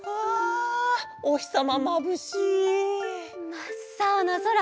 まっさおなそら！